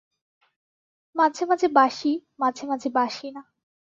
মাঝে মাঝে বাসি, মাঝে-মাঝে বাসি না।